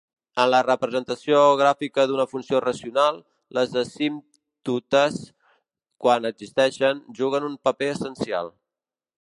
En la representació gràfica d'una funció racional, les asímptotes, quan existeixen, juguen un paper essencial.